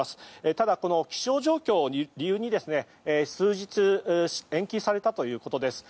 ただ、気象状況を理由に数日延期されたということです。